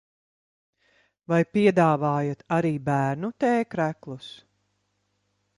Vai piedāvājat arī bērnu t-kreklus?